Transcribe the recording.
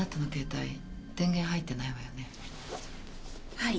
はい。